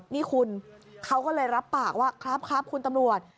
นี่คุณเขาก็เลยรับปากว่าครับคุณตำรวจ